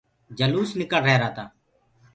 جلوس ڻڪݪ رهيرآ تآ۔